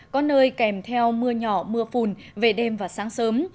có nơi kèm theo mưa nhỏ mưa phùn về đêm và sáng sớm